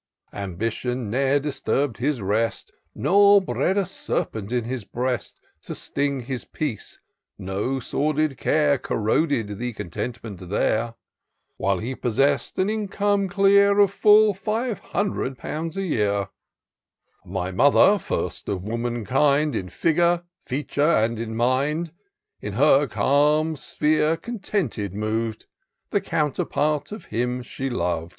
Ambition ne'er disturb'd his rest. Nor bred a serpent in his breast. To sting his peace ; no sordid care Corroded the contentment there ; While he possess'd an income clear Of fiill five hundred pounds a year. o o 882 TOUR OF DOCTOR SYNTAX " My mother^ first of woman kind, In figure, feature, and in mind, In her calm sphere contented moy'd, The counterpart of him she lovM.